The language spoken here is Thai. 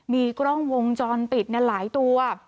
มีกล้องวงจรปิดหลายตัว